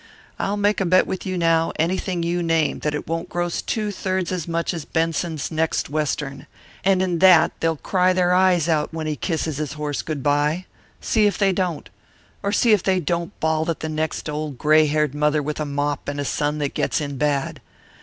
I'll make a bet with you now, anything you name, that it won't gross two thirds as much as Benson's next Western, and in that they'll cry their eyes out when he kisses his horse good bye. See if they don't. Or see if they don't bawl at the next old gray haired mother with a mop and a son that gets in bad.